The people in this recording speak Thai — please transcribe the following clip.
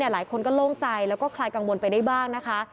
หลายคนก็โล่งใจแล้วก็คลายกังวลไปได้บ้างนะคะ